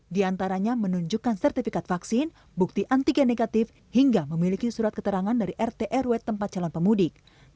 di antaranya menunjukkan sertifikat vaksin bukti antigen negatif hingga memiliki surat keterangan dari rt rw tempat calon pemudik